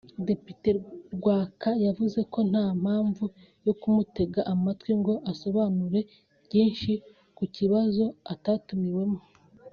Depite Rwaka yavuze ko nta mpamvu yo kumutega amatwi ngo asobanure byinshi ku kibazo atatumiwemo